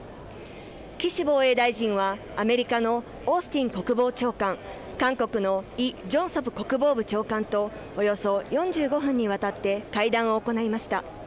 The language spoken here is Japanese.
岸防衛大臣は、アメリカのオースティン国防長官、韓国のイ・ジョンソプ国防部長官とおよそ４５分にわたって会談を行いました。